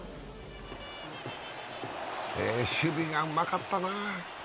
守備がうまかったな。